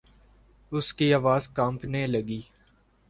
اس کی آواز کانپنے لگی۔